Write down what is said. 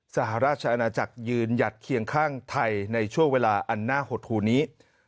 สหราชอาณาจักรยืนหยัดเคียงข้างไทยในช่วงเวลาอันน่าหดหูนี้